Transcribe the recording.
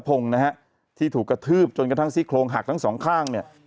พงศ์นะฮะที่ถูกกระทืบจนกระทั่งซี่โครงหักทั้งสองข้างเนี่ย